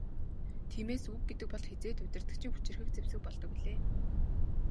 Тиймээс үг гэдэг бол хэзээд удирдагчийн хүчирхэг зэвсэг болдог билээ.